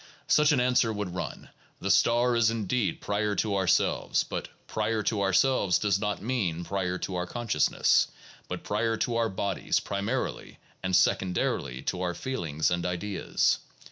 Such an answer would run: The star is indeed prior to ourselves, but ' prior to ourselves ' does not mean prior to our consciousness, but prior to our bodies, primarily, and secondarily, to our feelings and ideas.